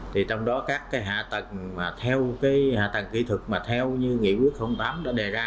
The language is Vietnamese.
thì trong đó các hạ tầng kỹ thuật mà theo như nghị quyết tám đã đề ra